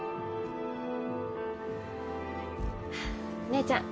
姉ちゃん